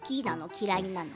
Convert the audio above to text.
嫌いなの？